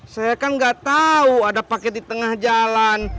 saya kan gak tau ada paket di tengah jalan